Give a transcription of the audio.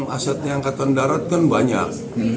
asetnya angkatan darat kan banyak